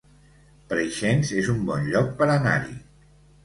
Preixens es un bon lloc per anar-hi